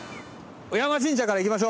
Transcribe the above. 尾山神社から行きましょう。